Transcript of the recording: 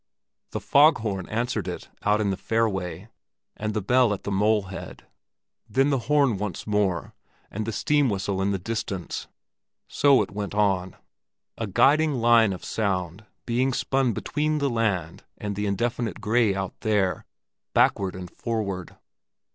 The fog horn answered it out in the fairway, and the bell in at the mole head; then the horn once more, and the steam whistle in the distance. So it went on, a guiding line of sound being spun between the land and the indefinite gray out there, backward and forward.